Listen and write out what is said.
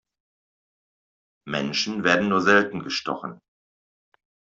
Menschen werden nur selten gestochen.